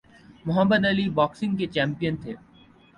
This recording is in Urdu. محمد علی باکسنگ کے چیمپئن تھے۔